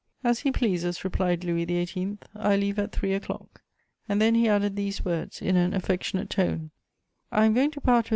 "As he pleases," replied Louis XVIII.: "I leave at three o'clock;" and then he added these words, in an affectionate tone: "I am going to part with M.